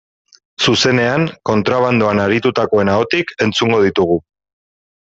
Zuzenean, kontrabandoan aritutakoen ahotik entzungo ditugu.